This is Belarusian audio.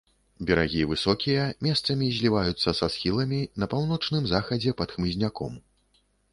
Берагі высокія, месцамі зліваюцца са схіламі, на паўночным захадзе пад хмызняком.